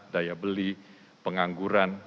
daya beli pengangguran